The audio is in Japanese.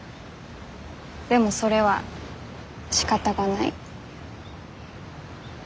でもそれはしかたがない。